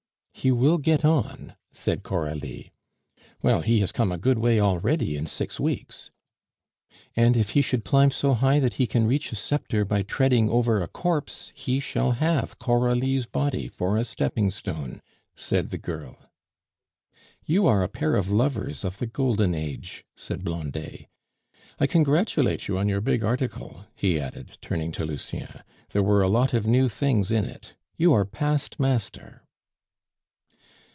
"He will get on," said Coralie. "Well, he has come a good way already in six weeks." "And if he should climb so high that he can reach a sceptre by treading over a corpse, he shall have Coralie's body for a stepping stone," said the girl. "You are a pair of lovers of the Golden Age," said Blondet. "I congratulate you on your big article," he added, turning to Lucien. "There were a lot of new things in it. You are past master!"